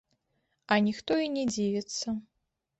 А ніхто і не дзівіцца.